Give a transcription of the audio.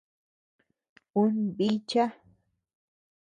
Un bícha.